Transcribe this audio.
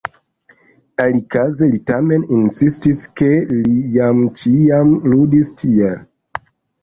Alikaze li tamen insistis, ke li jam ĉiam ludis tiel.